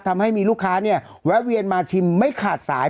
ทำให้มีลูกค้าเนี่ยแวะเวียนมาชิมไม่ขาดสาย